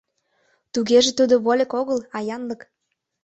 — Тугеже тудо вольык огыл, а янлык.